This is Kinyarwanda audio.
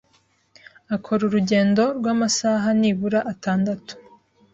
akora urugendo rw’amasaha nibura atandatu